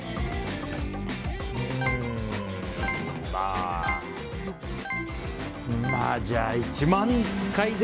うーん、まあじゃあ、１万回で。